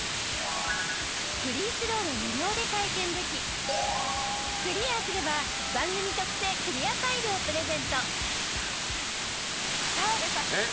フリースローが無料で体験できクリアすれば番組特製クリアファイルをプレゼント。